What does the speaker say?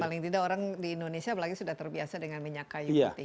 paling tidak orang di indonesia apalagi sudah terbiasa dengan minyak kayu putih